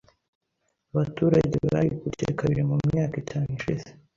Abaturage barikubye kabiri mu myaka itanu ishize.